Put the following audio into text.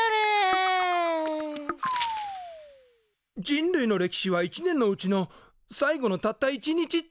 人類の歴史は１年のうちの最後のたった１日ってこと！？